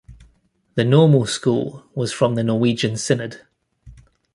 The Normal School was from the Norwegian Synod.